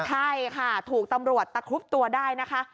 ใช่ค่ะถูกตำรวจตะครุบตัวได้นะคะ